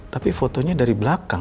tapi fotonya dari belakang